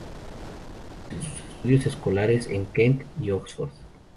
Hizo sus estudios escolares en Kent y en Oxford.